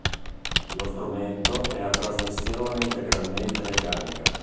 Lo strumento è a trasmissione integralmente meccanica.